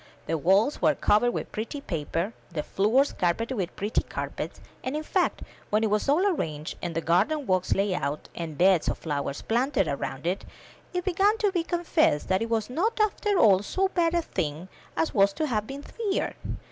The walls were cov ered with pretty paper, the floors carpeted with pretty carpets; and, in fact, when it was all arranged, and the garden walks laid out, and beds of flowers planted around, it began to be confessed, that it was not after all so bad a thing as was to have been feared.